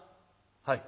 「はい。